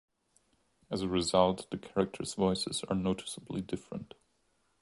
As a result, the character's voices are noticeably different.